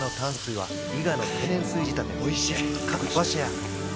はい。